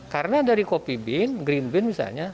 karena dari kopi bean green bean misalnya